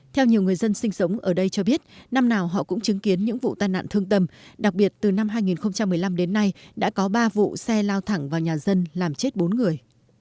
theo nhiều người dân sinh sống ở đây cho biết năm nào họ cũng chứng kiến những vụ tai nạn thương tâm đặc biệt từ năm hai nghìn một mươi năm đến nay đã có ba vụ xe lao thẳng vào nhà dân làm chết bốn người